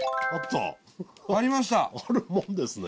あるもんですね。